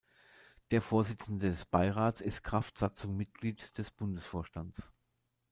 Der Vorsitzende des Beirats ist kraft Satzung Mitglied des Bundesvorstands.